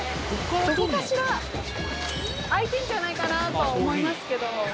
どこかしら空いてんじゃないかなと思いますけど。